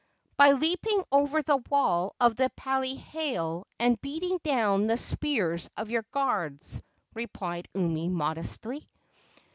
"By leaping over the wall of the pahale and beating down the spears of your guards," replied Umi modestly.